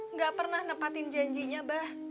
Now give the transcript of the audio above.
nggak pernah nepatin janjinya bah